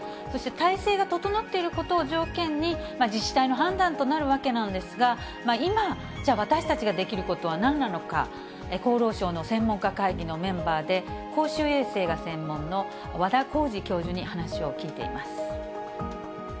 そして体制が整っていることを条件に、自治体の判断となるわけなんですが、今、じゃあ私たちができることはなんなのか、厚労省の専門家会議のメンバーで、公衆衛生が専門の和田耕治教授に話を聞いています。